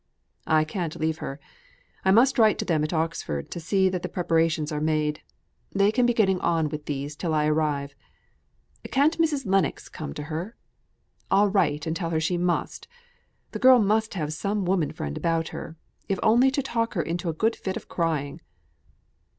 "I can't leave her. I must write to them at Oxford, to see that the preparations are made: they can be getting on with these till I arrive. Can't Mrs. Lennox come to her? I'll write and tell her she must. The girl must have some woman friend about her, if only to talk her into a good fit of crying."